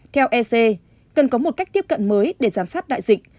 theo ec cần có một cách tiếp cận mới để giám sát đại dịch